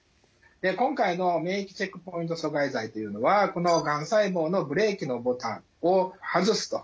で今回の免疫チェックポイント阻害剤というのはこのがん細胞のブレーキのボタンを外すと。